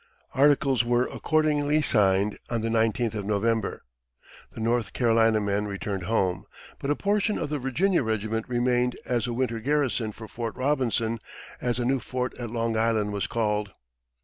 Articles were accordingly signed on the nineteenth of November. The North Carolina men returned home; but a portion of the Virginia regiment remained as a winter garrison for Fort Robinson, as the new fort at Long Island was called.